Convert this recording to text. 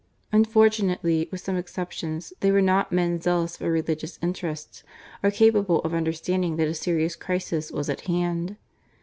Unfortunately, with some exceptions, they were not men zealous for religious interests, or capable of understanding that a serious crisis was at hand.